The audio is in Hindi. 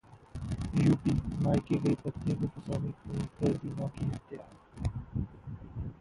यूपी: मायके गई पत्नी को फंसाने के लिए कर दी मां की हत्या